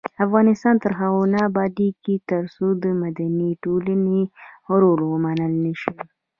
افغانستان تر هغو نه ابادیږي، ترڅو د مدني ټولنې رول ومنل نشي.